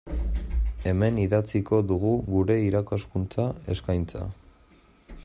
Hemen idatziko dugu gure irakaskuntza eskaintza.